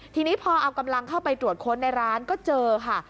ทีนี้พอเอากำลังเข้าไปตรวจค้นในร้านก็เจอค่ะ